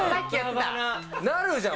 なるじゃん。